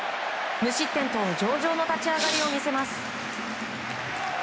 無失点と上々の立ち上がりを見せます。